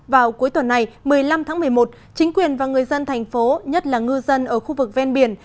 vào cuối tuần này một mươi năm tháng một mươi một chính quyền và người dân thành phố nhất là ngư dân ở khu vực ven biển